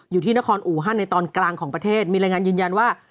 อยู่ที่นครอูฮันในตอนกลางของประเทศมีรายงานยืนยันว่า